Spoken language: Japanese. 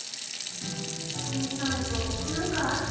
古見さんと何かあった？